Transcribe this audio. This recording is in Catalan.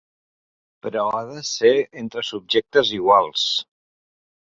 Però ha de ser entre subjectes iguals.